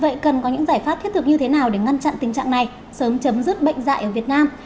vậy cần có những giải pháp thiết thực như thế nào để ngăn chặn tình trạng này sớm chấm dứt bệnh dạy ở việt nam